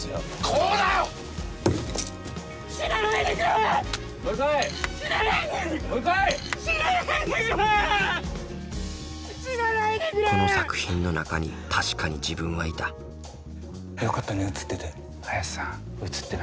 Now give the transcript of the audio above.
この作品の中に確かに自分はいたよかったね映ってて。